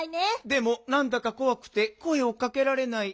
「でもなんだかこわくてこえをかけられない」。